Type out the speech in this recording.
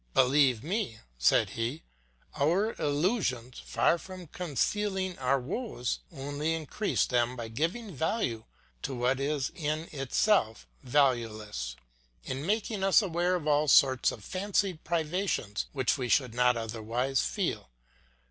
"Believe me," said he, "our illusions, far from concealing our woes, only increase them by giving value to what is in itself valueless, in making us aware of all sorts of fancied privations which we should not otherwise feel.